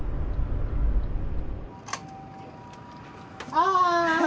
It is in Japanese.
ああ。